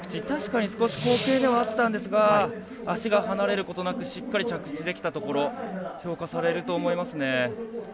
確かに少し後傾ではあったんですが足が離れることなくしっかり着地できたところ評価されると思いますね。